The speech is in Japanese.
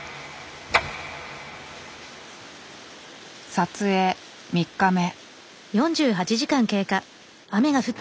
撮影３日目。